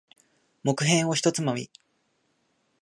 木片を一つまみ。